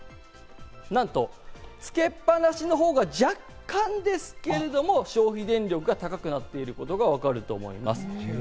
なんと、つけっ放しのほうが若干ですが消費電力が高くなっていることがわかると思います。